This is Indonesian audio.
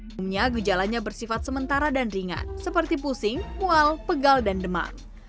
umumnya gejalanya bersifat sementara dan ringan seperti pusing mual pegal dan demam